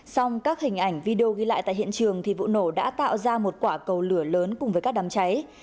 xong các hình ảnh video ghi lại tại hiện trường thì vụ nổ đã tạo ra một quả cầu lửa lớn cùng với các đám cháy